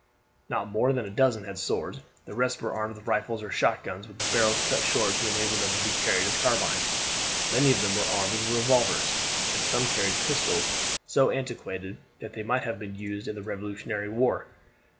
Not more than a dozen had swords; the rest were armed with rifles or shot guns, with the barrels cut short to enable them to be carried as carbines. Many of them were armed with revolvers, and some carried pistols so antiquated that they might have been used in the revolutionary war.